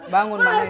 bangun mak noid